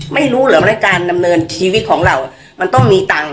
ไม่รู้เหรอว่าการดำเนินชีวิตของเรามันต้องมีตังค์